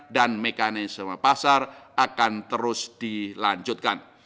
dan mekanisme pasar akan terus dilanjutkan